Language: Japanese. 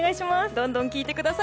どんどん聞いてください。